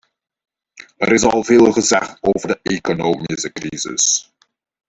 Er is al veel gezegd over de economische crisis.